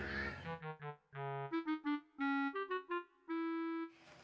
kalau gitu kita pamit ya bang